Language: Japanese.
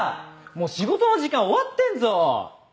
もう仕事の時間終わってっぞ！